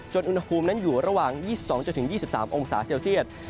อุณหภูมินั้นอยู่ระหว่าง๒๒๒๓องศาเซลเซียต